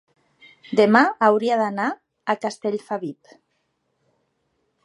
Demà hauria d'anar a Castellfabib.